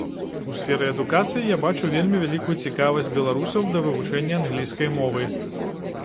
У сферы адукацыі я бачу вельмі вялікую цікавасць беларусаў да вывучэння англійскай мовы.